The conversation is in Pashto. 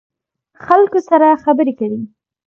خلکو سره خبرې کوئ؟